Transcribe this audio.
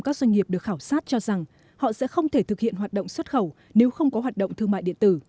các doanh nghiệp được khảo sát cho rằng họ sẽ không thể thực hiện hoạt động xuất khẩu nếu không có hoạt động thương mại điện tử